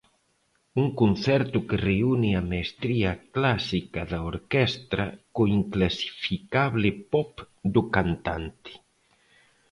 Un concerto que reúne a mestría clásica da orquestra co inclasificable pop do cantante.